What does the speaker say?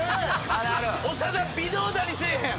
長田微動だにせえへん。